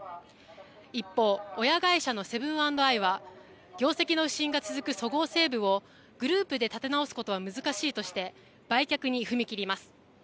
一方、親会社のセブン＆アイは業績の不振が続くそごう・西武をグループで立て直しことは難しいとして売却に踏み切ります。